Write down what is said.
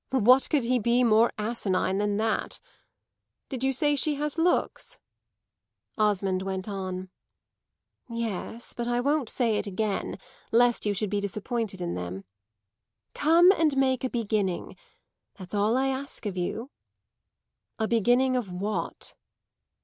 "What could he be more asinine than that? Did you say she has looks?" Osmond went on. "Yes; but I won't say it again, lest you should be disappointed in them. Come and make a beginning; that's all I ask of you." "A beginning of what?"